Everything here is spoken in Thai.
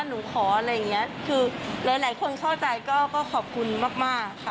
หนูขออะไรอย่างเงี้ยคือหลายหลายคนเข้าใจก็ขอบคุณมากมากค่ะ